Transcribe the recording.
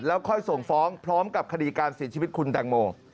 แล้วค่อยส่งฟ้องพร้อมกับคดีการเสียชีวิตคุณแตงโม